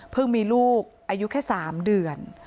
เพิ่งมีลูกอายุแค่๓เดือน